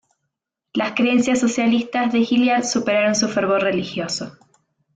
Las creencias socialistas de Hilliard superaron su fervor religioso.